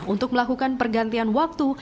untuk melakukan pergantian waktu